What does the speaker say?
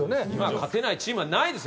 勝てないチームはないですよ